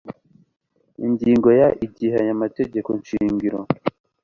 Ingingo ya Igihe aya mategekoshingiro